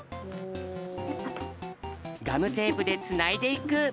ガムテープでつないでいく。